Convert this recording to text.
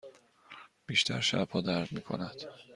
بیشتر شبها درد می کند.